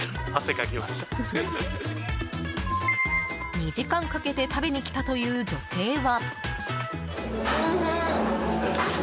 ２時間かけて食べに来たという女性は。